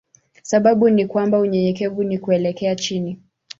Sababu ni kwamba unyenyekevu ni kuelekea chini.